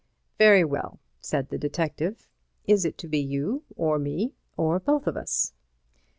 "Very well," said the detective, "is it to be you or me or both of us?"